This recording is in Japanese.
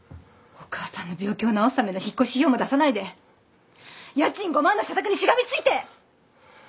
お母さんの病気を治すための引っ越し費用も出さないで家賃５万の社宅にしがみついて。